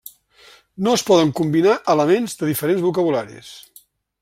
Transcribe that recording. No es poden combinar elements de diferents vocabularis.